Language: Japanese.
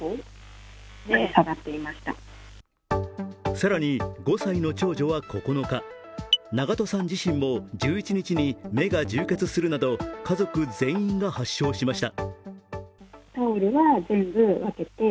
更に、５歳の長女の９日、長途さん自身も１１日に目が充血するなど家族全員が発症しました。